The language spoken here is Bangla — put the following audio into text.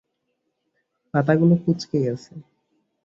পাতাগুলো কুঁচকে গেছে।